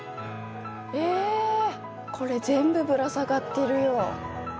えこれ全部ぶら下がってるよ。